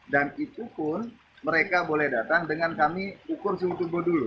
dan itu pun mereka boleh datang dengan kami ukur sungguh sungguh dulu